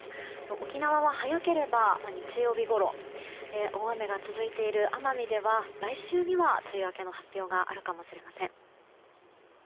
沖縄は早ければ日曜日ごろ大雨が続いている奄美では来週には梅雨明けの発表があるかもしれません。